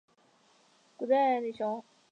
古奥德吕雄。